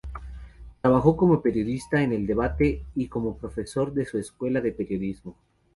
Trabajó como periodista en "El Debate" y como profesor de su Escuela de Periodismo.